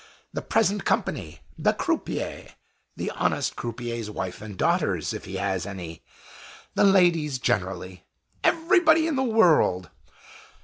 the present company! the croupier! the honest croupier's wife and daughters if he has any! the Ladies generally! everybody in the world!"